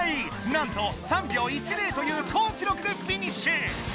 なんと３秒１０というこう記録でフィニッシュ！